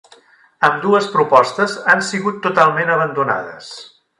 Ambdues propostes han sigut totalment abandonades.